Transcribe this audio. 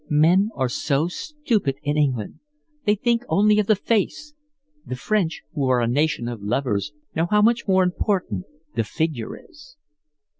"Men are so stupid in England. They only think of the face. The French, who are a nation of lovers, know how much more important the figure is."